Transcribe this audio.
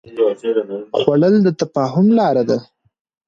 خوړل د تفاهم لاره ده